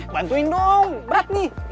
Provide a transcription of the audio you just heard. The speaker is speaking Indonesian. bantuin dong berat nih